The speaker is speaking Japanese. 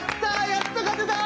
やっと勝てた！